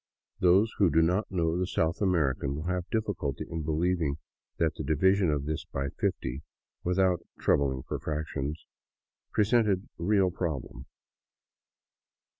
Those who do not know the South American will have difficulty in believing that the division of this by fifty, without troubling for fractions, presented a real prob lem.